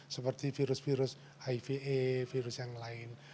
seperti virus virus hiv virus yang lain